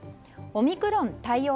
オミクロン対応